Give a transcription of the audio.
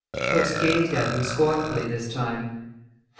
Puss gazed at him scornfully this time.